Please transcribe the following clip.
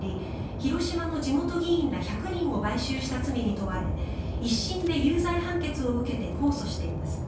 広島の地元議員ら１００人を買収した罪に問われ１審で有罪判決を受けて控訴しています。